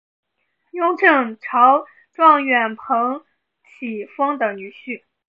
雍正朝状元彭启丰的女婿。